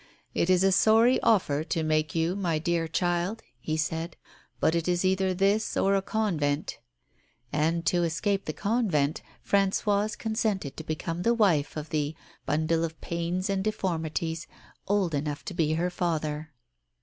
"It is a sorry offer to make you, my dear child," he said, "but it is either this or a convent." And, to escape the convent, Françoise consented to become the wife of the "bundle of pains and deformities" old enough to be her father.